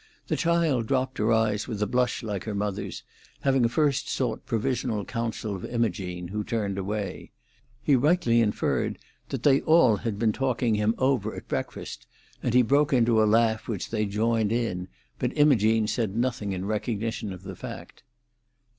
The child dropped her eyes with a blush like her mother's, having first sought provisional counsel of Imogene, who turned away. He rightly inferred that they all had been talking him over at breakfast, and he broke into a laugh which they joined in, but Imogene said nothing in recognition of the fact.